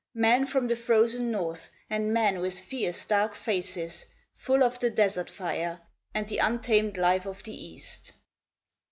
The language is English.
Men from the frozen North, and men with fierce dark faces, Full of the desert fire, and the untamed life of the East.